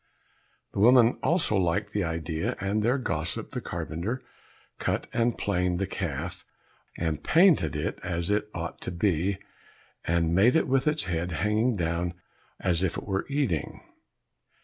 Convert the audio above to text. The woman also liked the idea, and their gossip the carpenter cut and planed the calf, and painted it as it ought to be, and made it with its head hanging down as if it were eating.